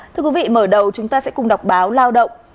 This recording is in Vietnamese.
thưa quý vị mở đầu chúng ta sẽ cùng đọc báo lao động